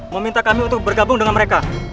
meminta kami untuk bergabung dengan mereka